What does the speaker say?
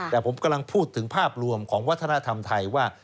แต่ผมกำลังพูดถึงภาพรวมของวัฒนธรรมไทยว่า